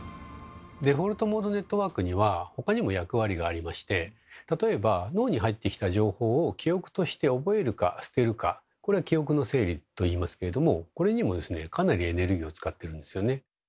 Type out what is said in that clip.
デフォルトモードネットワークには他にも役割がありまして例えば脳に入ってきた情報を記憶として覚えるか捨てるかこれは「記憶の整理」と言いますけどもこれにもですねかなりエネルギーを使ってるんですよね。